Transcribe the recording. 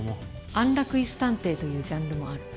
安楽椅子探偵というジャンルもある。